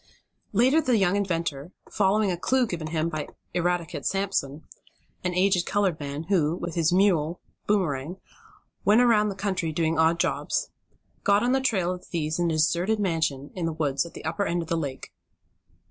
Later the young inventor, following a clue given him by Eradicate Sampson, an aged colored man, who, with his mule, Boomerang, went about the country doing odd jobs, got on the trail of the thieves in a deserted mansion in the woods at the upper end of the lake.